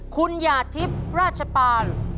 คุณหยาดทิพย์ราชปาน